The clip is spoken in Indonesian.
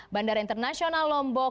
bandara internasional lombok